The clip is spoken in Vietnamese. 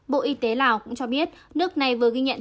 bộ y tế lào cũng cho biết nước này vừa ghi nhận